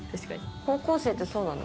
高校生ってそうなの？